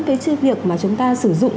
với việc mà chúng ta sử dụng